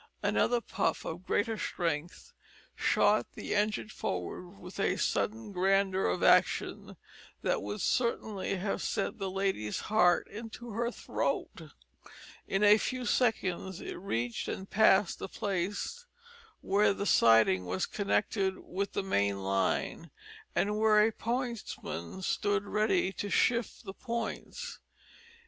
Another puff of greater strength shot the engine forward with a sudden grandeur of action that would certainly have sent that lady's heart into her throat. In a few seconds it reached and passed the place where the siding was connected with the main line, and where a pointsman stood ready to shift the points.